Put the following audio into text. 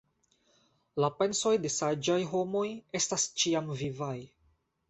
La pensoj de saĝaj homoj estas ĉiam vivaj.